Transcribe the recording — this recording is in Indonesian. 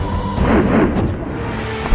aku mau ke kanjeng itu